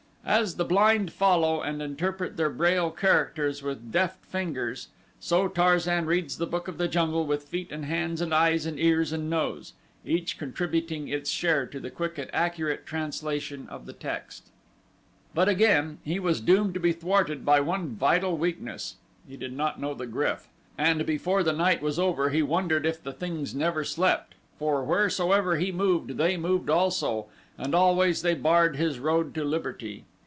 As the blind follow and interpret their Braille characters with deft fingers, so Tarzan reads the book of the jungle with feet and hands and eyes and ears and nose; each contributing its share to the quick and accurate translation of the text. But again he was doomed to be thwarted by one vital weakness he did not know the GRYF, and before the night was over he wondered if the things never slept, for wheresoever he moved they moved also, and always they barred his road to liberty.